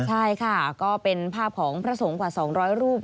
ใช่ค่ะก็เป็นภาพของพระสงฆ์กว่า๒๐๐รูป